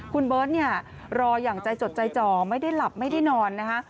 คุณเบิร์ตเนี่ยรออย่างใจจดใจจ่อไม่ได้หลับไม่ได้นอนนะคะ